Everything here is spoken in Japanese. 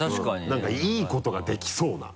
何かいいことができそうな。